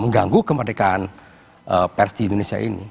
mengganggu kemerdekaan pers di indonesia ini